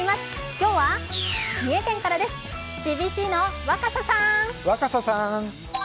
今日は三重県からですＣＢＣの若狭さん！